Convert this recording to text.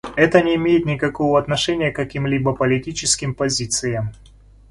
Это не имеет никакого отношения к какими-либо политическим позициям.